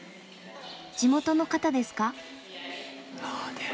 地元の方ですか？